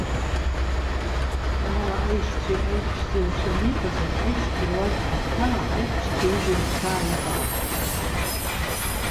Амала аишьцәеи аиҳәшьцәеи ирацәаҩны иҟазар, аишьцәа руаӡәк ихәҭаа аиҳәшьцәа ҩыџьа рыхәҭаа иаҟароуп.